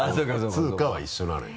通貨は一緒なのよ。